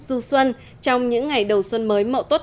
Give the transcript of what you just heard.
du xuân trong những ngày đầu xuân mới mậu tốt hai nghìn một mươi tám